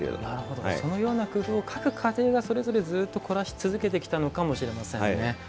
なるほどそのような工夫を各家庭がそれぞれずっと凝らし続けてきたのかもしれませんね。